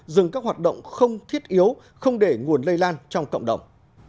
dừng các hoạt động không thiết yếu không để nguồn lây lan trong cộng đồng